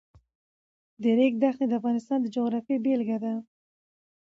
د ریګ دښتې د افغانستان د جغرافیې بېلګه ده.